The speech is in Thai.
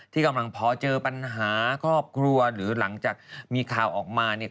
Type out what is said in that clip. ที่กำลังพอเจอปัญหาครอบครัวหรือหลังจากมีข่าวออกมาเนี่ย